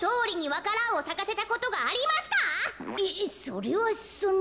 えっそれはその。